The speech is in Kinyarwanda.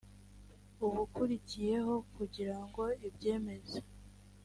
ubukurikiyeho kugira ngo ibyemeze